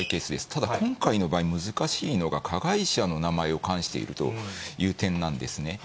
ただ今回の場合、難しいのが、加害者の名前を冠しているという点なんですね。